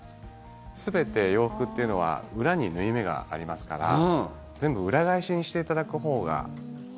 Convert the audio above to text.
全て洋服というのは裏に縫い目がありますから全部裏返しにしていただくほうが。